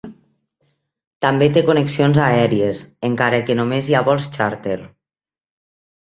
També té connexions aèries, encara que només hi ha vols xàrter.